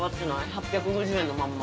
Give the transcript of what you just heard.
８５０円のまんま？